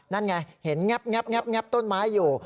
นั่นไงเห็นแงบต้นไม้อยู่